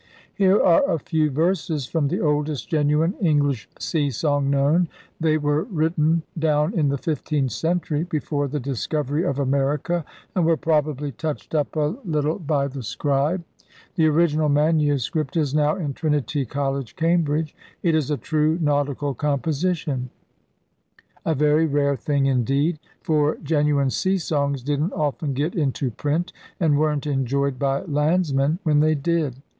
Here are a few verses from the oldest genuine English sea song known. They were written down in the fifteenth century, before the discovery of America, and were probably touched up a little LIFE AFLOAT IN TUDOR TIMES 37 by the scribe. The original manuscript is now in Trinity College, Cambridge. It is a true nautical composition — a very rare thing indeed; for gen uine sea songs didn't often get into print and weren't enjoyed by landsmen when they did.